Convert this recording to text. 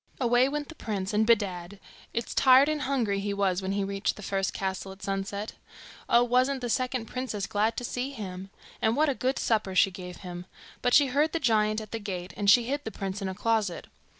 Away went the prince, and bedad! it's tired and hungry he was when he reached the first castle, at sunset. Oh, wasn't the second princess glad to see him! And what a good supper she gave him. But she heard the giant at the gate, and she hid the prince in a closet.